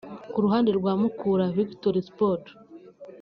Ku ruhande rwa Mukura Victory Sport